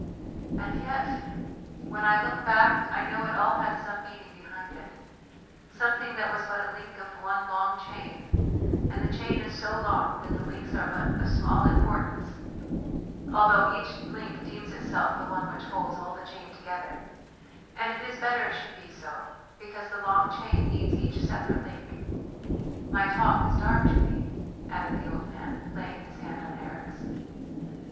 and yet? "When I look back I know it all had some meaning behind it something that was but a link of one long chain, and the chain is so long that the links are but of small importance, although each link deems itself the one which holds all the chain together; and it is better it should be so, because the long chain needs each separate link. My talk is dark to thee," added the old man, laying his hand on Eric's.